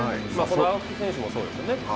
青木選手もそうですね。